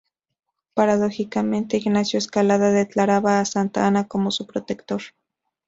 Paradójicamente, Ignacio Escalada declaraba a Santa Anna como su protector.